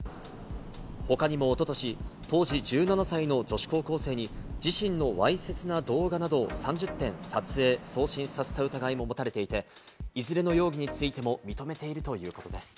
他にもおととし、当時１７歳の女子高校生に自身のわいせつな動画などを３０点撮影・送信させた疑いも持たれていて、いずれの容疑についても認めているということです。